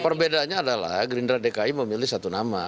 perbedaannya adalah gerindra dki memilih satu nama